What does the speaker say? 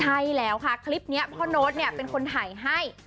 ใช่แล้วค่ะคลิปนี้พ่อโน๊ตเป็นคนถ่ายให้